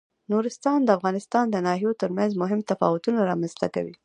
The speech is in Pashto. نورستان د افغانستان د ناحیو ترمنځ مهم تفاوتونه رامنځ ته کوي.